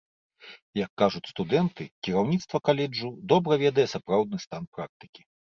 Як кажуць студэнты, кіраўніцтва каледжу добра ведае сапраўдны стан практыкі.